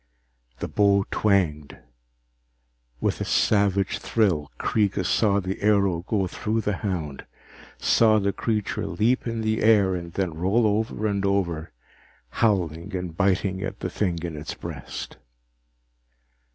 The bow twanged. With a savage thrill, Kreega saw the arrow go through the hound, saw the creature leap in the air and then roll over and over, howling and biting at the thing in its breast.